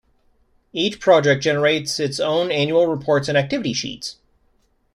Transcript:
Each project generates its own annual reports and activity sheets.